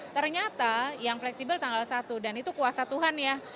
ternyata yang fleksibel tanggal satu dan itu kuasa tuhan ya